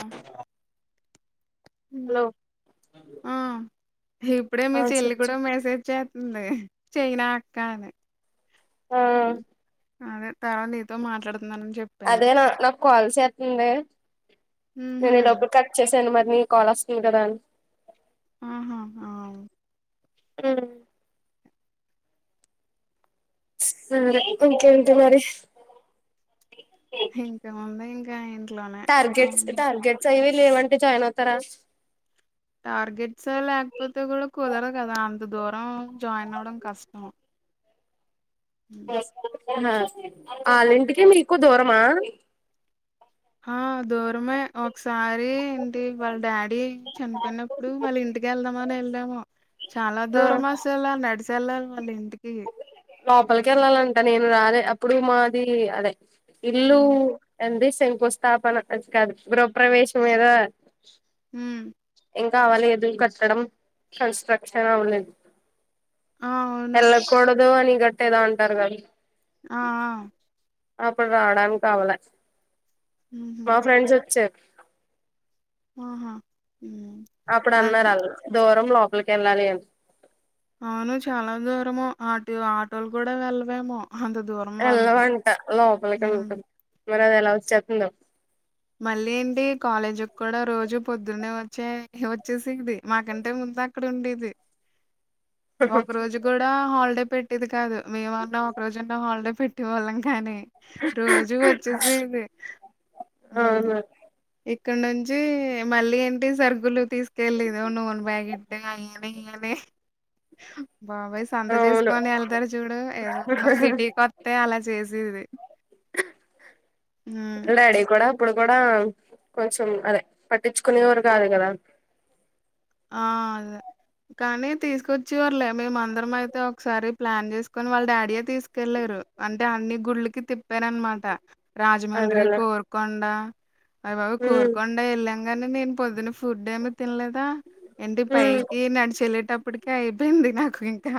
ఆ హలో [unintelligible] ఆ ఇప్పుడే మీ ఆ చెల్లి చెప్ కూడా మెసేజ్ చేస్తుంది చైనా అక్క అంది ఆ హమ్ అదే తర్వాంీతో మాట్లాడుత అదే నా నాకు కాల్స్ చేతుంది ఉహు నేను ఈలోపు కట్ చేస్త నేను మరి మీ కాల్ వస్తుంది కాదండీ ఆహా అహ్ ఉమ్ సరే ఇంకేంటి మరి ఇంకా ఏముంది ండి [unintelligible] టార్గెట్స్, టార్గెట్స్ అయివి లేవండి జాయిన్ అవుతారా టార్గెట్స్ లేకపోతే కూడా కుదరు కదా అంత దూరం జాయిన్ అవడం కష్టం అఓ [unintelligible] వాళ్ళింటికి, మీకు దూరమా ఆ దూరమే ఒకసారి ఏంటి వాళ్ళ డాడీ చనిపోయినప్పుడు మళ్ళ ఇంటికి వెళ్దాం అని వెళ్ళాము చాలా ఆ దూరం అసలా నడిచ తెల్లారి మళ్ళీ ఇంటికి లోపలికి వెళ్ళాలంట నేను రదే అప్పుడు మాది అదే ఇల్లు ఉమ్ అండి శంకుస్థాపన కాదు గృహప్రవేశం ఏదో హమ్ ఇంకా అవ్వలేదు కట్టడం కన్స్ట్రక్షన్ అవ్వలేదు ఆ అవును ఏదో అని గట్టేదో అంటారు కద్ ఆ ఆ అప్పుడు రావడానికవ్వలే ఉహు మా ఫ్రెండ్స్ వచ్చా [inaudible] ఆహా ఉమ్ అప్పుడు అన్నారు అది అళ్ళు దూరంలో పలికేల్లాలి అన్ అవును చాలా దూరము ఆటు ఆటోలు కూడా వెళ్లవేమో ఎళ్ళ వంట లోపలికే ఉమ్ ఉంటుంది మరి అది ఎలా చెప్పిందో మళ్ళీ ఏంటి కాలేజ్కి కూడా రోజు పొద్దునేే వచ్చే వచ్చేసిద్ధి మాకంటే ముందక్కడ ఉండేది ఒక రోజు కూడా హాలిడే పెట్టేది కాదు మేమన్న ఒక్క రోజన్నా హాల్ డే పెట్టే వాళ్ళం కానీ రోజు వచ్చేసేది ఉమ్ అవునా ఇక్కడ నుంచి మళ్ళీ ఏంటి సరుకులు తీస్ తెలియాదు నూనె ప్యాకెట్ అయ్యని ఇయ్యని బాబోయ్ సంత అవును చేసుకొని వెళ్తారు చూడు ఏదో సిటీకి వస్తే అలా చేసేది హు ఇప్పుడు కూడా కొంచెం అదే పట్టించుకునేవరు కాదు కదా ఆ అదే కానీ తీసుకొచ్చివర్లే మేమందరం అయితే ఒకసారి ప్లాన్ చేసుకొని వాళ్ళ డాడీయే తీసుకెళ్ళరు అంటే అన్ని గుళ్ళకి తిప్పారన్నమాట రాజమండ్రి అదేలే కోర్కొండ అవివవ్ ఉమ్ కోర్కకోండే ఎల్ కాని నేను పొద్దున ఫుడ్ ఏమి తినలేదా ఎంటి ఉమ్ పైకి నడిచెెళ్ళే టప్ ఇప్పటికే అయిపోయింది నాకు ఇంకా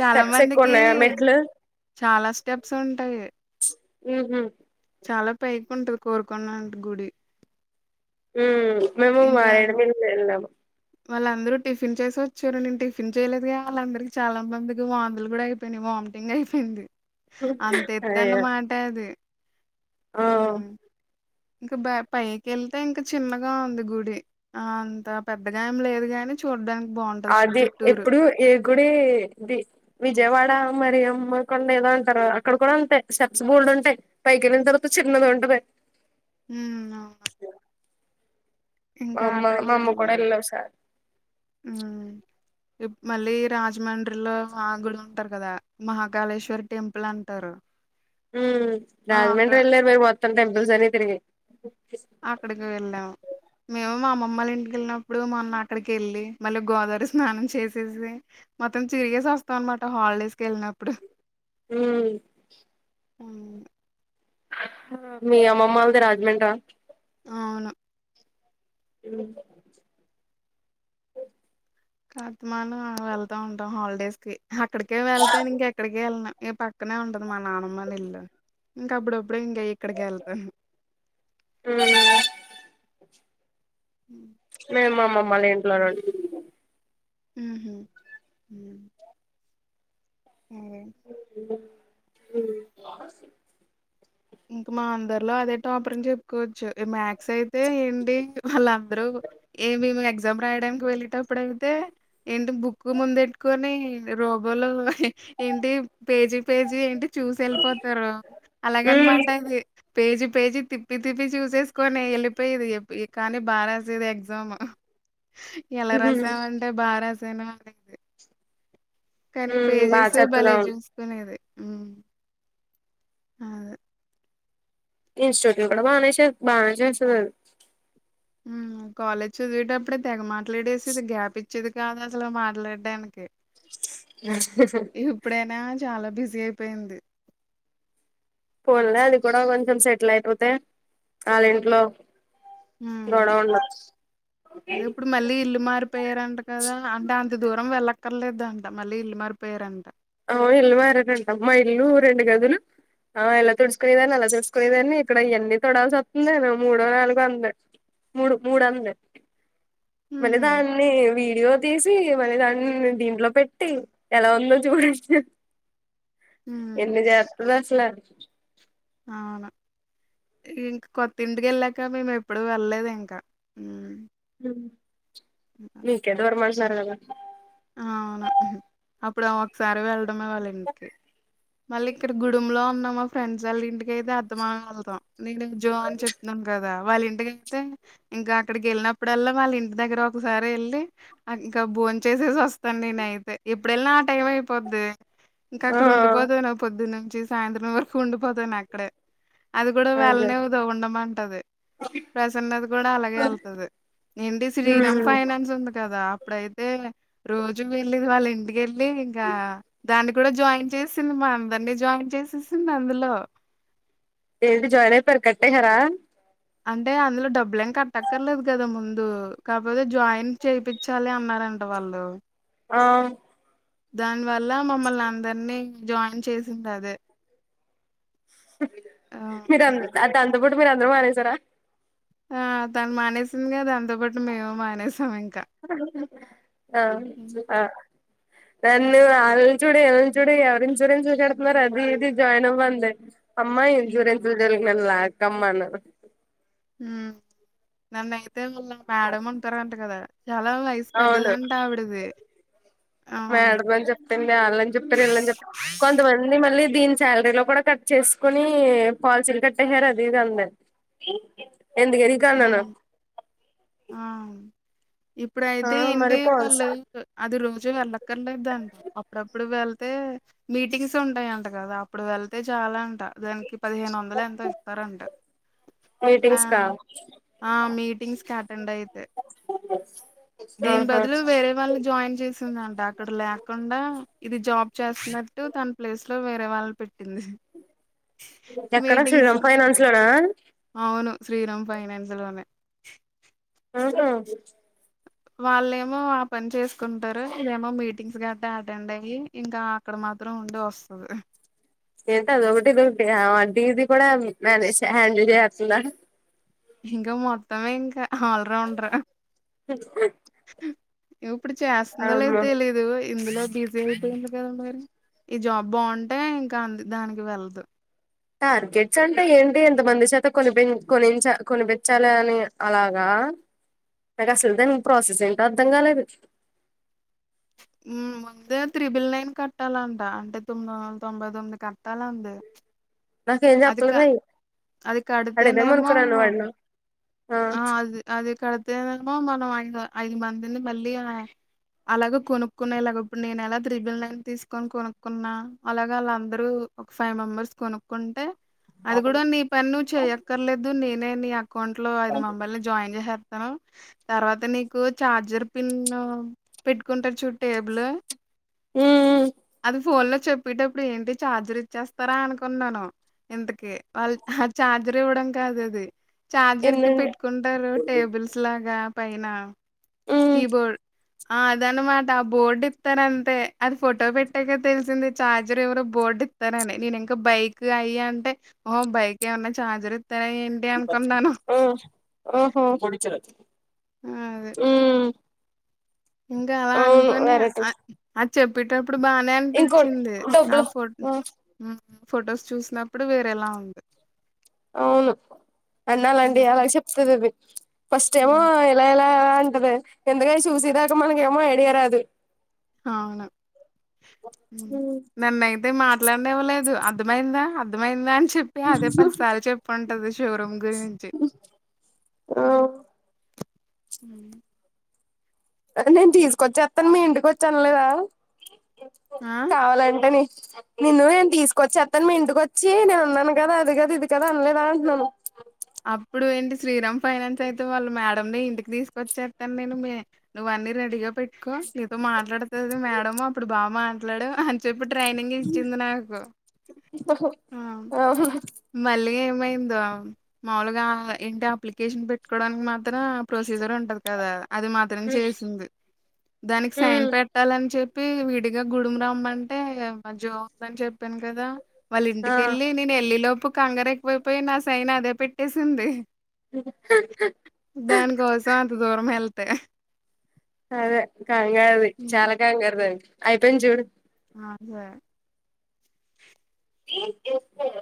చాలా స్టెప్స్ ఎక్కువ మందికి ఉన్నాయా మెట్లు చాలా స్టెప్స్ ఉంటాయి ఉమ్ హు చాలా పైకి ఉంటుది కోరుకున్నంటి గుడి మేము మారేడ్ ఇంకా మిల్ వెళ్ళాం వాళ్ళందరూ టిఫిన్ చేసి వచ్చారు నేను టిఫిన్ చేయలేదుగా వాళ్ళందరికి చాలా మందికి వాంతులు కూడా అయిపోనయి వామిటింగ్ అయిపోయింది అంత ఎత్తు అయ్యో అన్నామాట అది ఆ హ్ ఇంకా పైకెళ్తే ఇంకా చిన్నగా ఉంది గుడి అంత పెద్దగా ఏమి లేదు గానీ చూడ్డా అది ఎప్పుడు ఏ గుడి వి విజయవాడ మరి అమ్మ కొండ ఏదో అంటారు అక్కడ కూడా ఉంటాయి స్టెప్స్ బోల్డ్ ఉంటాయి పైకేళ్ళిన తర్వాత చిన్నది ఉంటది ఉ అవును మా ఇంకా అమ్మ అక్కడికి మా అమ్మ వెళ్ళాం. కూడా ఎల్లోసార్ మళ్ళీ రాజమండ్రిలో మాగుడు ఉంటారు కదా మహాకాళేశ్వరి టెంపుల్ అంటారు హ్మ్ ఆ! అక్కడ రాజమండ్రి ఏల్లా మేమో త్తం టెంపుల్స్ అన్ని తీర్గేయి అక్కడికి వెళ్ళాము మేము మా అమ్మ మ్మల్ ఇంటికేళ్ళినప్పుడు మొన్న అక్కడికి ఏళ్ళి మళ్ళీ గోదావరి స్నానం చేసేసి మొత్తం చిరిగేసి వస్తాం అనమాట హాలిడేస్ కేళ్ళినప్పుడు హ్మ్ ఉహ్ మీ అమ్మమ్మోలది రాజమండ్రా అవును హ్మ్ కార్తమాన్ వెళ్తా ఉంటాం హాలిడేస్ కి అక్కడికే వెళ్తాను ఇంకెక్కడికి ఎల్లనూ ఈ పక్కనే ఉంటది మా నానమ్మల్లా ఇల్లు ఇంక అప్పుడు అప్పుడు ఇంకా ఇక్కడికేళ్తాను మేము మా అమ్మమొల్ల ఇంట్లో నుం ఉహు సరే ఇంకా మా అందరిలో అదే టాపర్ అని చెప్పుకోవచ్చు మ్యాథ్స్ అయితే ఏంటి వాళ్ళందరూ ఏమి ఎగ్జామ్ రాయడానికి వెళ్ళేటప్పుడు అయితే ఏంటి బుక్ ముందెట్టుకొని రోబోలో ఏంటి పేజీ పేజీ ఏంటి చూసి ఎల్లిపోతున్నారు అలాగని ఉమ్ టది పేజీ పేజీ తిప్పి తిప్పి చూసేసుకోని వెళ్ళిపోయేది కాని బారాసేది ఎగ్జామ్ ఎలా ఉమ్ రసావంటే బా రాస్ సాను అనేది కానీ ఉమ్ బాగా పేజెస్ చేత్తది భలే అవును చూసుకునేది ఆ ఆ ఇన్స్టిట్యూట్ కూడా కూడా బాగా బాగా చసదు కాలేజ్ చదివిటప్పుడే తెగమా లేడేసి గ్యాప్ మచ్చిది కాదు అసలు మాట్లాడడానికి ఇప్పుడేనా చాలా బిజీ అయిపోయింది అది కూడా కొంచెం సెటిల్ అయిపోతే వాళ్ళ ఇంట్లో గొడవ ఉండదు అదే ఇప్పుడు మళ్ళీ ఇల్లు మారిపోయారంట కదా అంటే అంత దూరం వెళ్ళ అక్కర్లేదంట మళ్ళీ ఇల్లు మారిపోయారంట ఆ ఇల్లు మారారంట మా ఇల్లు రెండు గదులు ఆ ఇలా తుడుచుకునేదాన్ని అలా తుడుసుకునేదాన్ని ఇక్కడ ఎన్ని తొడాల్సి వస్తుంద మూడో నాలుగో అంద మూడు మూడు అంద మళ్రి ఉహు దాన్ని వీడియో తీసి మళ్ దాన్ని దీంట్లో పెట్టి ఎలా ఉందో చూడం ఉమ్ ఎన్ని చేత్త లా అవునా ఇంకా కొతింటికి వెళ్ళాక మేము ఎప్పుడు వెళ్లేదు ఇంకా మీకేదవర మ కదా అవును అప్పుడు ఒకసారి వెళ్ వాళ్ళ ఇంటికి మళ్ళీ ఇక్కడ గుడు లో ఉన్నా మా ఫ్రెండ్స్ వాళ్ళ ఇంటిక ఐతే అర్థమ వెళ్తాం నేను జో అని చెప్తున్నాను కదా వాళ్ళ ఇంటిక అైతే ఇంకా అక్కడికి వెళ్ళినప్పుడల్లా వాళ్ళ ఇంటి దగ్గర ఒకసారి వెళ్ళి ఇంకా భోన్ చేసేసి వస్తాను నేన అయితే ఎప్పుడుళ్ళినా ఆ టైం అయిపోద్ది ఇంకా ఆ అక్కడ ఉండడు పొద్దు నుంచి సాయంత్రం వరకు ఉండిపోతాను అక్కడే అది కూడా అదే వెళ్ళనివదు ఉందమంతడి ప్రసన్న ది కూడా అలాగే వెళ్తది ఏంటి శ్రీరామ్ ఫైనాన్స్ ఉంది కదా ఇప్పుడైతే రోజుకి వెళ్ళేది వాళ్ళ ఇంటికిళ్ళ లేదు ఇంకా దానికి ఇ కూడ జాయింట్ చేసింది మా అందరినీ జాయిన్ చేసేసింది అందులో ఏది జాయిన్ అయిపోయా కట్టిసర అంటే అందులో డబ్బులు ఏం కట్టక్కర్లేదు కదా ముందు కాకపోతే జాయిన్ చేపించాలి అన్నారంట వాళ్ళు ఆ దా వల్ల మమ్మల్ని అందరినీ జాయిన్ చేసింది అది మీరు అది అంత ఇపుడు మీరు అందరు మారసారా ఆ తాను మానేసిందిగా దానితో పాటు మేము మానేసాం ఇంకా ఆ హ్మ్. ఆ దాన్ని వాళ్ళని చూడు ఎళ్ని చూడు ఎవరి ఇన్సూరెన్స్ చెడుతున్నారు అది ఇది జాయిన్ అవ్వంది అమ్మాయి ఇ హ్మ్. జూర ఎంత [unintelligible] నల్ల కమ్మన నన్నయితే మళ్ళ మేడం ఉంటారంట కదా చాలా వయసు పెద్దదాంటా ఆవిడదు మేడద అని చెప్తంది వాళ్ళని చెప్తను వెళ్ళని చెప్త కొంతమంది మళ్ళీ దీని శాలరీలో కూడా కట్ చేసుకుని పాలసీలు కట్టేయారు అది ఇది అందండి ఎందుకది కన్న హ్మ్. ఆ! ఇప్పుడైతే ఏంటి వాళ్ళు అది రోజు రజ వెళ్ళక్కర్లేదుంట అప్పుడప్పుడు వెళ్తే మీటింగ్స్ ఉంటాయంట కదా అప్పుడు వెళ్తే చాలా అంట దానికి పదిహేను వందలు ఎంతో ఇస్తారంట ఆ మీటింగ్స్ కా ఆ మీటింగ్స్ క అటెండ్ అయితే దీని ఆహా బదులు వేరే వాళ్ళు జాయిన్ చేసిందంట అక్కడ లేకుండా ఇది జాబ్ చేస్తునట్టు తన ప్లేస్ లో వేరే వాళ్ళు పెట్టింది ఎక్కడ మీటింగ్స్ శ్రీరామ్ ఫైనాన్స్ లోనా అవును శ్రీరామ్ ఫైనాన్స్ లోనే ఆహా వాళ్ళేమో ఆ పని చేసుకుంటారు ఇదేమో మీటింగ్స్ గట్ట అటెండ్ అయి ఇంకా అక్కడ మాత్రం ఉండి వస్తుది ఎంతద ఒకటిది ఒకటి వడ ఇది కూడా మనేజ హ్యాండిల్ చేస్తుంద ఇంకా మొత్తమే ఇంకా ఆల్రౌండర్ ఉ ఇప్పుడు చేస్తుందో లే తెలీదు ఇందులో డిజీఐ ఎ మరి ఈ జాబ్ బాగుంటే ఇంకా అంది దానికి వెళ్ళదు టార్గెట్స్ అంటే ఏంటి ఎంతమంది చేత కొనిప కొని కొనిపించాలి అని అలాగా నాకు అసలు దానికి ప్రాసెస్ ఏంటో అర్థం కాలేదు ఉమ్ ముందే త్రిబుల్ నైన్ కట్టాలంట అంటే తొమ్మిది వందల తొంభై తొమ్మిది కట్టాలంది నాకేం అది క చెప్పలేదుయి అది అడిదే కడితేనేమో మునుకురాను వాడిన ఆ అదే అదే కడ మో మనం ఐదు ఐదు మందిని మళ్ళీ అలాగ కొనుక్కున్నా ఇలాగ ఇప్పుడు నేను ఎలా త్రిబిల్ నైన్ తీసుకొని కొనుక్కున్నా అలాగ వాళ్ళందరూ ఒక ఫైవ్ మెంబర్స్ కొనుక్కుంటే అది కూడా నీ పని నువ్వు చెయక్కర్లేదు నేను నే నీ అకౌంట్ ట్లో ఇది మా బల్లి జాయిన్ చేహే ఆ తర్వాత నీకు చార్జర్ పిన్ పెట్టుకుంటారు చూడు టేబులు ఉ ఉ ఫోన్ లో చెప్పేటప్పుడు ఏంటి ఛార్జర్ ఇచ్చేస్తారా అనుకున్నాను ఇంతక వాళ్ళు ఆ ఛార్జర్ ఇవ్వడం కాదు అది ఛార్జర్ కి ఎన్నండి పెట్టుకుంటారు టేబుల్స్ లాగా పైన ఉమ్ కీబోర్ ఆ అదనమాట బోర్డు ఇత్తరంతే అది ఫోటో పెట్టాక తెలిసింది ఛార్జర్ ఎవరు బోర్డు ఇస్తారని నేను ఇంకా బైక్ అయ అంటే ఓ బైక్ ఏమన్నా ఛార్జర్ తాయి ఇంటేమ్ ఆ ఆహ పొడిచెర్రి అది ఉ ఇంగ అలా అనుకోని వెరైటీ ఆ చెప్ పిటప్ ఇప్పుడు బానే ఇంకోటి అనిపిచింది ఆ డబ్బులు ఫో ఆ ఉ ఫొటోస్ చూసినప్పుడు వేరేలా ఉంది అవును అన్నాాలండి హ్మ్. అలా చెప్తది అది ఫస్ట్ టైము హ్మ్. ఎలా ఎలా అంటది ఎందుక చూసేదాక మనకేమో ఐడియా రాదు అవునా నన్నైతే మా అట్లనే ఇవ్వలేదు అర్థమైందా అర్థమైందా అని చెప్పి అదే పదిసార్ చెప్పు అంటది షోరూమ్ గురించి ఆ ఉ నేను తీసుకొచ్చేత్తాను మీ ఇంటికి వచ్చాననలేదా ఆ? కావాలంటే నీ నేను తీసుకొచ్చేత్తాను మీ ఇంటిక వచ్చి నేను ఉన్నాను కదా అది కదా ఇది కదా అనలేదా అంటున్నాను అప్పుడు ఏంటి శ్రీరామ్ ఫైనాన్స్ అయితే వాళ్ళు మేడంని ఇంటికి తీసుకొచ్చేత్తాను నేను మీ నువ్వు అన్నీ రెడీగా పెట్ కో నీతో మాట్లాడుతది మేడమ్ అప్పుడు బాగా మా మాట్లాడు చెప్పు ట్రైనింగ్ ఇచ్చింది నాకు ఆ ఆవు మళ్ళీ ఏమైందో మాములుగా ఏంటి అప్లికేషన్ పెట్టుకోవడానికి మాత్రం ప్రొసీజర్ ఉంటది కదా అది మాత్రం చేసింది దానికి సైన్ ఉమ్ పెట్టాలని చె పి వీడి ఇక గుడుము రామ్మ అంటే అ జో అని చెప్పాను కదా వాళ్ళ ఆ ఇంటికెళ్ళి నేను వెళ్లి లో ఇప్పు కంగారు ఎక్కువైపోయి నా సైన్ అదే పెట్టేసింది దాని కోసం అంత దూరం ఎల్ తే అదే కాంగారుది చాలా కాంగారుదంది అయిపోయింది చూడు అబో ఏంచేస్తారు